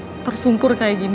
di saat gue tersungkur kayak gini